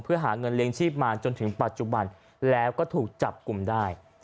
เพื่อหาเงินเลี้ยงชีพมาจนถึงปัจจุบันแล้วก็ถูกจับกลุ่มได้